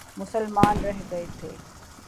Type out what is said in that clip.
مسلمان رہ گئے تھے۔